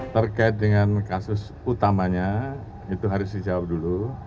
terkait dengan kasus utamanya itu harus dijawab dulu